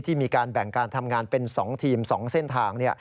มีการแบ่งการทำงานเป็น๒ทีม๒เส้นทาง